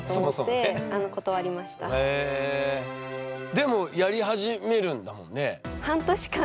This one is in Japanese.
でもやり始めるんだもんね。